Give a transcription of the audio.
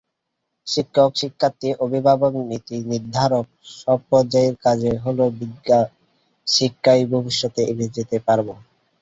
শিক্ষক, শিক্ষার্থী, অভিভাবক, নীতিনির্ধারক—সব পর্যায়ে কাজ হলে বিজ্ঞানশিক্ষায় ভবিষ্যতে এগিয়ে যেতে পারব।